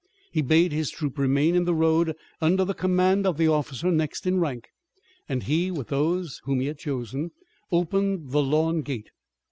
He bade his troop remain in the road under the command of the officer next in rank, and he, with those whom he had chosen, opened the lawn gate.